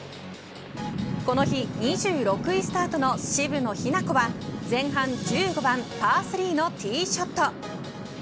この日２６位スタートの渋野日向子は前半１５番パー３のティーショット。